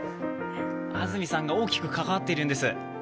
安住さんが大きく関わっているんです。